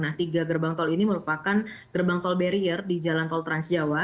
nah tiga gerbang tol ini merupakan gerbang tol barrier di jalan tol transjawa